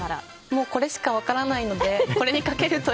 もうこれしか分からないので。